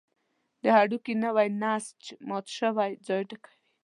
د هډوکي نوی نسج مات شوی ځای ډکوي.